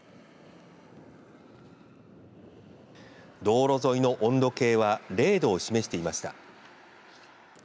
道路沿いの温度計は０度を示していました。